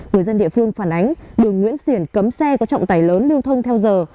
người dân địa phương phản ánh đường nguyễn xiển cấm xe có trọng tài lớn lưu thông theo giờ